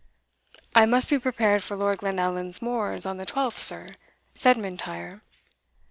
"I must be prepared for Lord Glenallan's moors on the twelfth, sir," said M'Intyre.